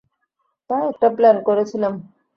তাই একটা প্ল্যান করেছিলাম।